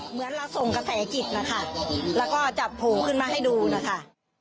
เหมือนละทรงกระแศจิตและจะผูลขึ้นมาให้ดูนะคะ